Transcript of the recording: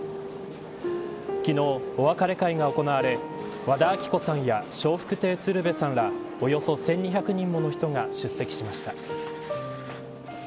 昨日お別れ会が行われ和田アキ子さんや笑福亭鶴瓶さんらおよそ１２００人もの人が出席しました。